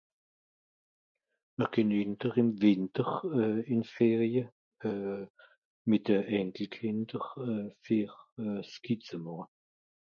mr gehn ìnder ìm Wìnter euh ìns Ferie euh mìt .... Kìnder euh ver euh Ski zù màche